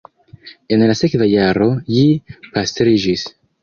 En la sekva jaro ji pastriĝis.